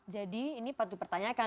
jadi ini patut dipertanyakan